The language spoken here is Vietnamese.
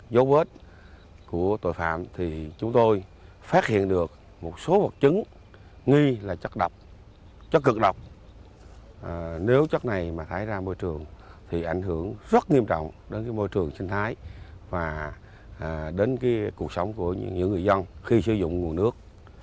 đặc biệt là nếu chất này mà thái ra môi trường thì ảnh hưởng rất nghiêm trọng đến môi trường sinh thái và đến cuộc sống của những người dân khi sử dụng nguồn nước